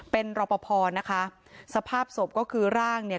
เป็นรอปภนะคะสภาพศพก็คือร่างเนี่ย